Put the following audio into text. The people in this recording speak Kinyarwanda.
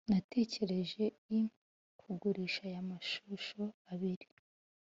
natekereje i: kugurisha aya mashusho abiri